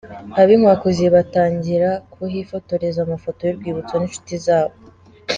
Ab’inkwakuzi batangira kuhifotoreza amafoto y’urwibutso n’inshuti zabo.